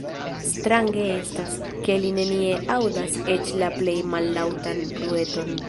Strange estas, ke li nenie aŭdas eĉ la plej mallaŭtan brueton.